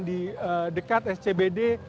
di dekat scbd